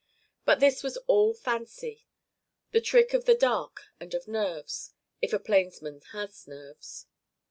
But this was all fancy, the trick of the dark and of nerves if a plainsman has nerves.